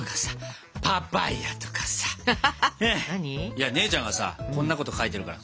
いや姉ちゃんがさこんなこと書いてるから。